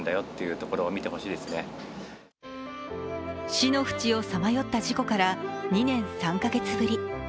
死のふちをさまよった事故から２年３か月ぶり。